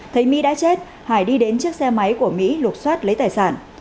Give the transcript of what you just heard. thấy mỹ đã chết hải đi đến chiếc xe máy của mỹ lục xoát lấy tài sản